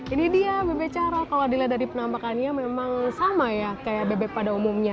ini dia bebek cara kalau dilihat dari penampakannya memang sama ya kayak bebek pada umumnya